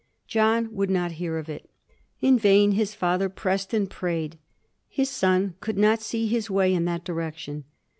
John would not hear of it. In vain his father pressed and prayed ; the son could not see his way in that direction.